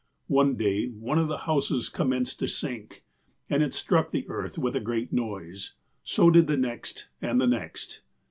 One day, one of the houses commenced to sink, and it struck the earth with a great noise ; so did the next, and the next.